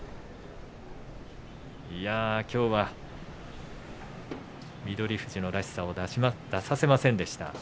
きょうは翠富士らしさを出させませんでした。